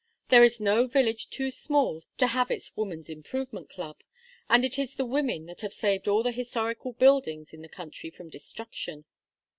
There is no village too small to have its 'Woman's Improvement Club.' And it is the women that have saved all the historical buildings in the country from destruction."